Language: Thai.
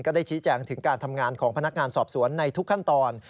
ได้ชี้แจงถึงการทำงานของพนักงานสอบสวนในทุกขั้นตอน